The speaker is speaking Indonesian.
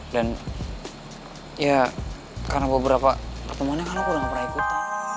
dan ya karena beberapa apemannya kan aku udah gak pernah ikut